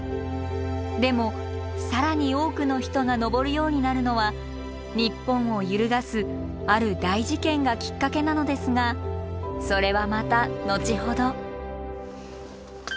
でも更に多くの人が登るようになるのは日本を揺るがすある大事件がきっかけなのですがそれはまた後ほど。